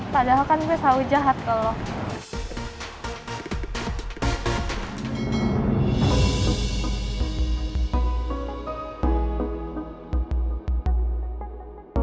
padahal kan gue tahu jahat kalau lo